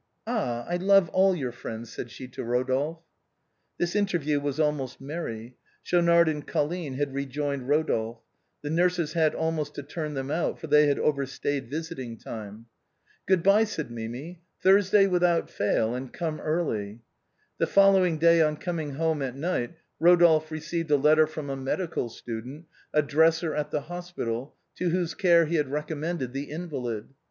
Ah! I love all your friends," said she to Eodolphe. This interview was almost merry. Schaunard and Col line had rejoined Eodolphe. The nurses had almost to turn them out, for they had overstayed visiting time. EPILOGUE TO THE LOVES OF RODOLPHE AND MIMI. 385 " Good bye," said Mimi. " Thursday wifhout fail, and come early." The following day on coming home at night, Eodolphe received a letter from a medical student, a dresser at the hospital, to whose care he had recommended the invalid.